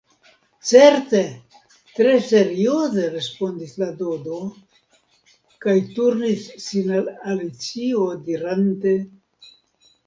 “Certe,” tre serioze respondis la Dodo, kaj turnis sin al Alicio dirante: